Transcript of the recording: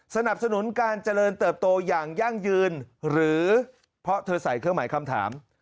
สนับสนุนการเจริญเติบโตอย่างยั่งยืนหรือเพราะเธอใส่เครื่องหมายคำถาม